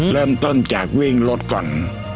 เริ่มต้นจากวิ่งรถก่อน